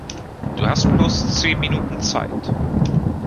Du hast bloß zehn Minuten Zeit.